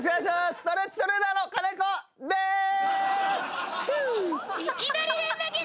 ストレッチトレーナーの兼子ですトゥー！